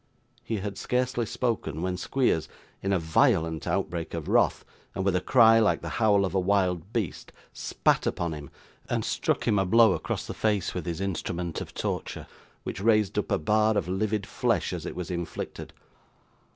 He had scarcely spoken, when Squeers, in a violent outbreak of wrath, and with a cry like the howl of a wild beast, spat upon him, and struck him a blow across the face with his instrument of torture, which raised up a bar of livid flesh as it was inflicted.